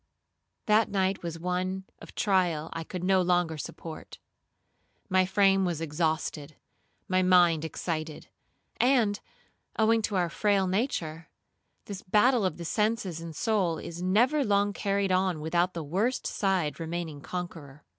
That night was one of trial I could no longer support. My frame was exhausted, my mind excited, and, owing to our frail nature, this battle of the senses and soul is never long carried on without the worst side remaining conqueror.